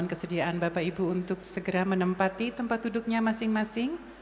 kesediaan bapak ibu untuk segera menempati tempat duduknya masing masing